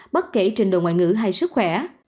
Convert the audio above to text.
bất kể trình độ ngoại ngữ hay sức khỏe